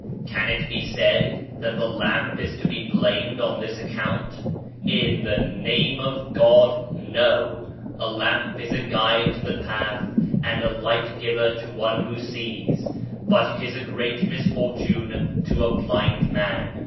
Can it be said that the lamp is to be blamed on this account? In the name of God, no I A lamp is a guide to the path and a light giver to one who sees; but it is a great misfortune to a blind man.